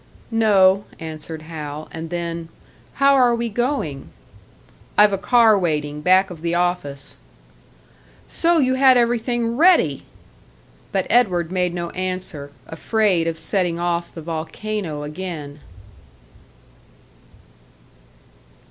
"No," answered Hal; and then, "How are we going?" "I've a car waiting, back of the office." "So you had everything ready!" But Edward made no answer; afraid of setting off the volcano again.